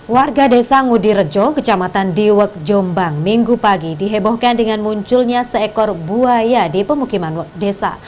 warga desa ngudi rejo kecamatan diwek jombang minggu pagi dihebohkan dengan munculnya seekor buaya di pemukiman desa